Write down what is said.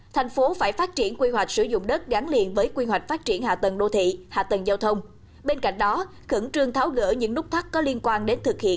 thành phố phải phát triển quy hoạch sử dụng đất gắn liền với quy hoạch phát triển hạ tầng đô thị